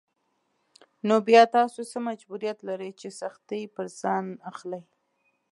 نو بيا تاسو څه مجبوريت لرئ چې سختۍ پر ځان اخلئ.